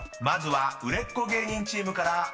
［まずは売れっ子芸人チームから］